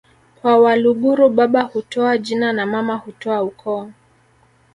kwa Waluguru baba hutoa jina na mama hutoa ukoo